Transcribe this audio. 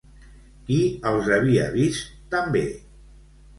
Qui els havia vist també?